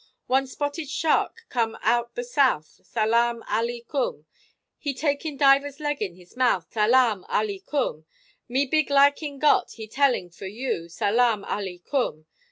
One spotted shark come out the south, Salaam, Alii kum! He taking diver's leg in his mouth, Salaam, Alii kum! Me big liking got, he telling, for you, Salaam, Alii kum!